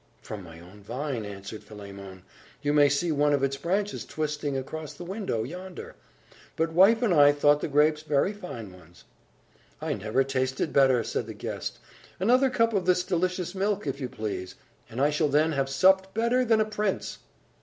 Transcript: "From my own vine," answered Philemon. "You may see one of its branches twisting across the window, yonder. But wife and I never thought the grapes very fine ones." "I never tasted better," said the guest. "Another cup of this delicious milk, if you please, and I shall then have supped better than a prince."